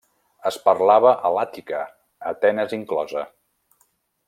Es parlava a l'Àtica, Atenes inclosa.